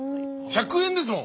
１００円ですもん。